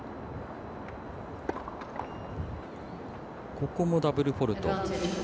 ここもダブルフォールト。